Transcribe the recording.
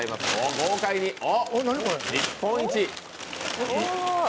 豪快に、日本一！